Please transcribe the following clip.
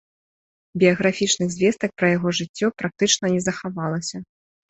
Біяграфічных звестак пра яго жыццё практычна не захавалася.